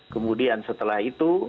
kemudian setelah itu